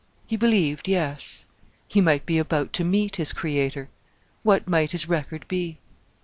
He believed yes.... He might be about to meet his Creator. What might his record be?...